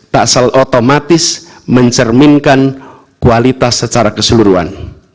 tak sel otomatis mencerminkan kualitas secara keseluruhan